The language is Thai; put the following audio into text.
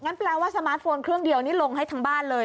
แปลว่าสมาร์ทโฟนเครื่องเดียวนี่ลงให้ทั้งบ้านเลย